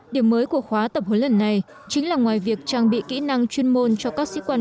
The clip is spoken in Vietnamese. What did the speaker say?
điểm mới của khóa tập huấn lần này chính là ngoài việc trang bị kỹ năng chuyên môn cho các sĩ quan